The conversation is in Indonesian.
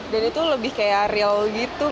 dan itu lebih kayak real gitu